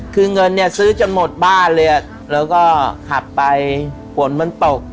คือเงินเนี่ยซื้อจนหมดบ้านเลยแล้วก็ขับไปฝนมันตก